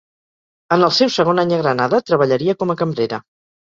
En el seu segon any a Granada treballaria com a cambrera.